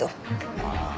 ああ。